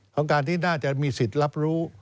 ของการที่น่าจะมีสิทธิ์รับรู้